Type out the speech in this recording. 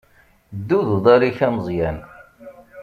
Ddu d uḍaṛ-ik a Meẓyan.